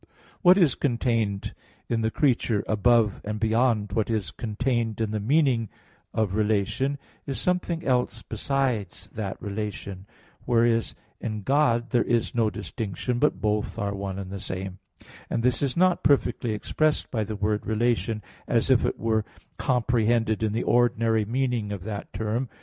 What is contained in the creature above and beyond what is contained in the meaning of relation, is something else besides that relation; whereas in God there is no distinction, but both are one and the same; and this is not perfectly expressed by the word "relation," as if it were comprehended in the ordinary meaning of that term.